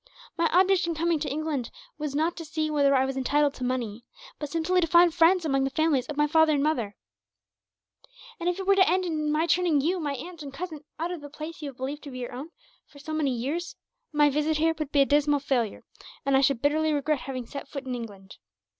My object in coming to England was not to see whether I was entitled to money, but simply to find friends among the families of my father and mother; and if it were to end in my turning you, my aunt, and cousin out of the place you have believed to be your own, for so many years, my visit here would be a dismal failure, and I should bitterly regret having set foot in England.